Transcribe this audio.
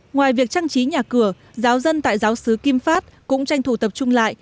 ngoài việc trang trí nhà cửa giáo dân tại giáo sứ kim phát cũng tranh thủ tập trung lại